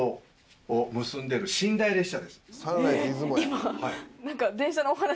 今。